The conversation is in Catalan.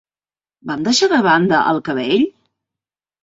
Vam deixar de banda el cabell?